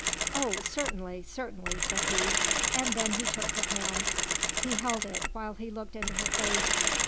"Oh! certainly, certainly," said he; and then he took her hand; he held it, while he looked into her face.